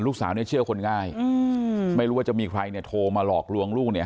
ลูกสาวเนี่ยเชื่อคนง่ายไม่รู้ว่าจะมีใครเนี่ยโทรมาหลอกลวงลูกเนี่ย